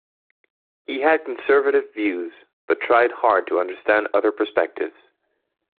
He had conservative views but tried hard to understand other perspectives.